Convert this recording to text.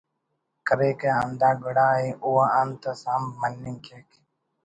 کریکہ ہندا گڑاءِ او انت اس ہم مننگ کیک